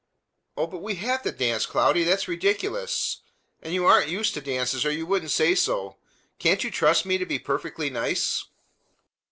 "Oh, but we have to dance, Cloudy; that's ridiculous! And you aren't used to dances, or you wouldn't say so. Can't you trust me to be perfectly nice?"